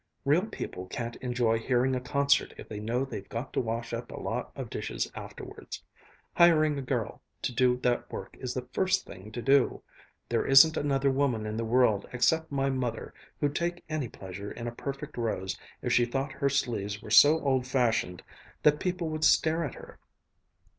Real people can't enjoy hearing a concert if they know they've got to wash up a lot of dishes afterwards. Hiring a girl to do that work is the first thing to do! There isn't another woman in the world, except my mother, who'd take any pleasure in a perfect rose if she thought her sleeves were so old fashioned that people would stare at her.